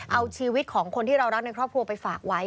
เอาชีวิตของคนที่เรารักในครอบครัวไปฝากไว้